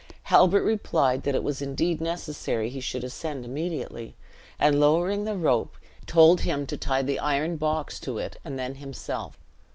Halbert replied that it was indeed necessary he should ascend immediately; and lowering the rope, told him to tie the iron box to it and then himself.